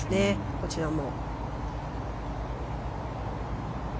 こちらも。